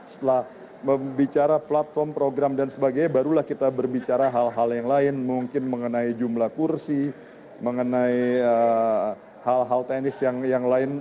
setelah bicara platform program dan sebagainya barulah kita berbicara hal hal yang lain mungkin mengenai jumlah kursi mengenai hal hal teknis yang lain